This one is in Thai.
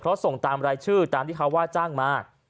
เพราะส่งตามรายชื่อตามที่เขาว่าจ้างมา